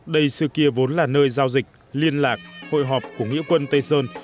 đây xưa kia vốn là nơi giao dịch liên lạc hội họp của nghĩa quân tây sơn